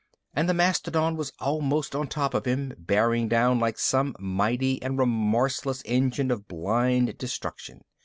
And the mastodon was almost on top of him, bearing down like some mighty and remorseless engine of blind destruction.